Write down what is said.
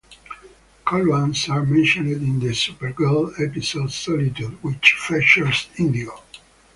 Coluans are mentioned in the "Supergirl" episode "Solitude", which features Indigo.